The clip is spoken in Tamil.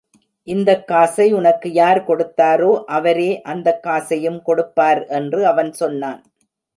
இந்தக் காசை உனக்கு யார் கொடுத்தாரோ, அவரே அந்தக் காசையும் கொடுப்பார் என்று அவன் சொன்னான்.